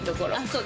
そう。